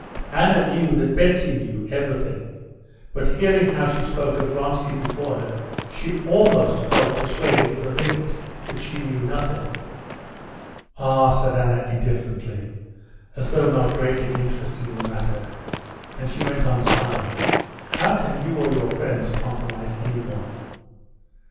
Anna knew that Betsy knew everything, but, hearing how she spoke of Vronsky before her, she almost felt persuaded for a minute that she knew nothing. "Ah!" said Anna indifferently, as though not greatly interested in the matter, and she went on smiling: "How can you or your friends compromise anyone?"